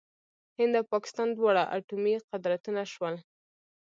هند او پاکستان دواړه اټومي قدرتونه شول.